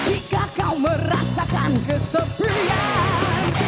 jika kau merasakan kesempian